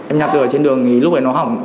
em nhặt được ở trên đường thì lúc này nó hỏng